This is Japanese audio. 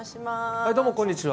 はいどうもこんにちは。